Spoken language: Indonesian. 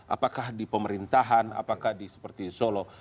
apakah di pemerintahan apakah di seperti solo